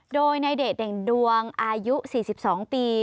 โดยในเดชเด่งดวงอายุ๔๒ปี